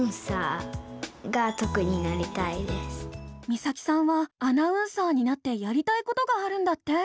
実咲さんはアナウンサーになってやりたいことがあるんだって。